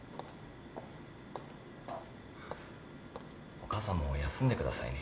お母さんも休んでくださいね。